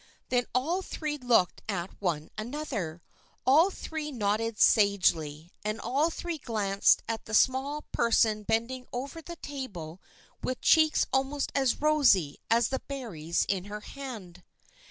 Then all three looked at one another, all three nodded sagely, and all three glanced at the small person bending over the table with cheeks almost as rosy as the berries in her hand.